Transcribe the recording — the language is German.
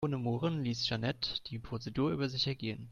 Ohne Murren ließ Jeanette die Prozedur über sich ergehen.